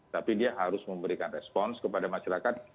tapi dia harus memberikan respons kepada masyarakat